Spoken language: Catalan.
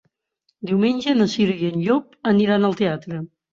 Diumenge na Cira i en Llop aniran al teatre.